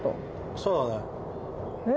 そうだね。